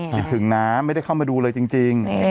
คิดถึงนะไม่ได้เข้ามาดูเลยจริง